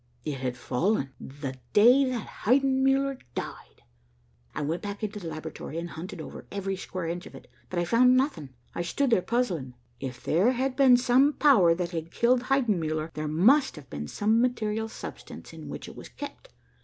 "It had fallen the day that Heidenmuller died. "I went back into the laboratory and hunted over every square inch of it, but I found nothing. I stood there puzzling. If there had been some power that had killed Heidenmuller, there must have been some material substance in which it was kept.